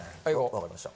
わかりました。